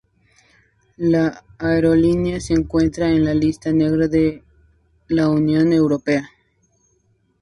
La aerolínea se encuentra en la Lista Negra de la Unión Europea.